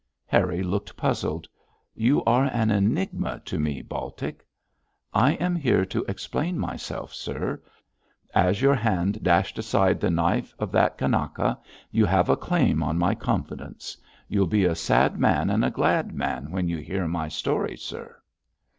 Harry looked puzzled. 'You are an enigma to me, Baltic.' 'I am here to explain myself, sir. As your hand dashed aside the knife of that Kanaka you have a claim on my confidence. You'll be a sad man and a glad man when you hear my story, sir.'